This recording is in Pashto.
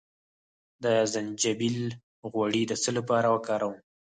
د زنجبیل غوړي د څه لپاره وکاروم؟